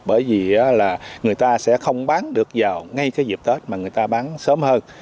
bởi vì là người ta sẽ không bán được vào ngay cái dịp tết mà người ta bán sớm hơn